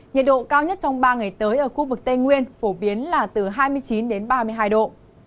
nhiệt độ cao nhất trong ba ngày tới ở khu vực tây nguyên phổ biến là từ hai mươi chín đến ba mươi hai độ